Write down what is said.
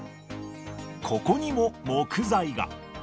ここにも木材が。